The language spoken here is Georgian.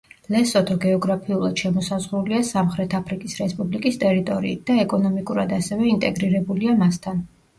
ლესოთო გეოგრაფიულად შემოსაზღვრულია სამხრეთ აფრიკის რესპუბლიკის ტერიტორიით და ეკონომიკურად ასევე ინტეგრირებულია მასთან.